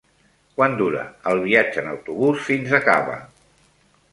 Quant dura el viatge en autobús fins a Cava?